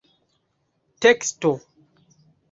teksto